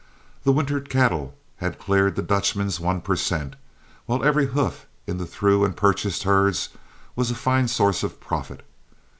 The wintered cattle had cleared the Dutchman's one per cent, while every hoof in the through and purchased herds was a fine source of profit.